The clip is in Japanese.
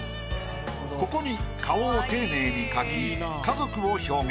ここに顔を丁寧に描き家族を表現。